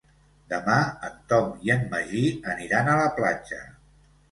Demà en Tom i en Magí aniran a la platja.